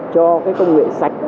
cho cái công nghệ